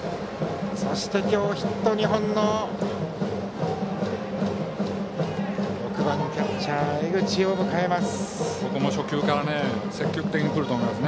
そして今日ヒット２本の６番、キャッチャー江口です。